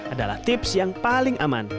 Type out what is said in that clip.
adalah tips yang paling aman